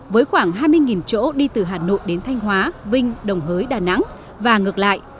với khoảng hai mươi chỗ đi từ hà nội đến thanh hóa vinh đồng hới đà nẵng và ngược lại